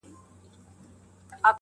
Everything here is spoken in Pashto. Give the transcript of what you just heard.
زما د لاس شينكى خال يې له وخته وو ساتلى.